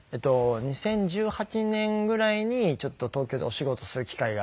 ２０１８年ぐらいにちょっと東京でお仕事をする機会があって。